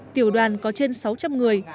tiểu đoàn có trên sáu trăm linh người